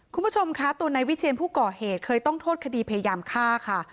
คุณผู้ชมคะตัวนายวิเชียนผู้ก่อเหตุเคยต้องโทษคดีพยายามฆ่าค่ะ